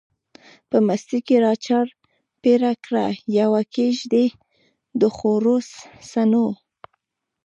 په مستۍ کی را چار پیر کړه، یوه کیږدۍ دخورو څڼو